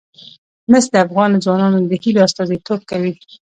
مس د افغان ځوانانو د هیلو استازیتوب کوي.